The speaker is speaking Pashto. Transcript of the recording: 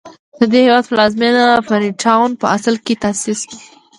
د دې هېواد پلازمېنه فري ټاون په اصل کې تاسیس شوه.